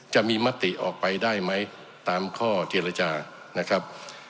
จะมีมติออกไปได้ไหมตามข้อเจรจานะครับ